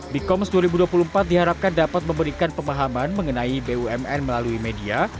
bi commerce dua ribu dua puluh empat diharapkan dapat memberikan pemahaman mengenai bumn melalui media